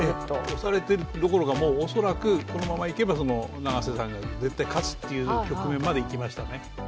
押されてるどころか、このままいけば永瀬さんが勝つという局面までいきましたね。